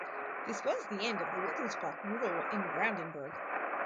This was the end of the Wittelsbach rule in Brandenburg.